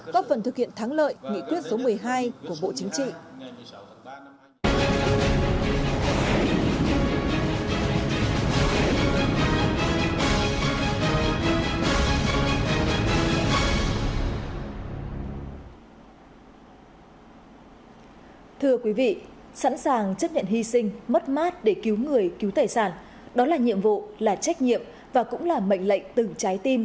có phần thực hiện thắng lợi nghị quyết số một mươi hai của bộ chính trị